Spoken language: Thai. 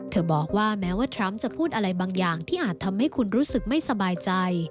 บอกว่าแม้ว่าทรัมป์จะพูดอะไรบางอย่างที่อาจทำให้คุณรู้สึกไม่สบายใจ